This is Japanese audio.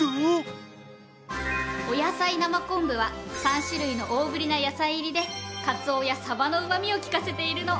おやさい生昆布は３種類の大ぶりな野菜入りでカツオやサバのうま味を利かせているの。